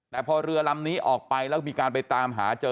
แต่พอเรือลำนี้ออกไปแล้วมีการไปตามหาเจอ